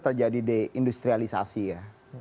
terjadi di industrialisasi ya